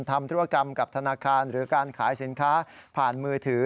ธุรกรรมกับธนาคารหรือการขายสินค้าผ่านมือถือ